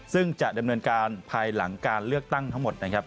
ซึ่งจะดำเนินการภายหลังการเลือกตั้งทั้งหมดนะครับ